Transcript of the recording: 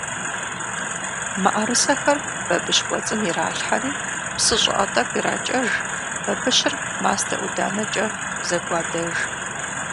МыӀэрысэхэр бабыщ кӀуэцӀым иралъхьэри, псы щӀыӀэ тӀэкӀу иракӀэж, бабыщыр мастэ-ӀуданэкӀэ зэгуадэж.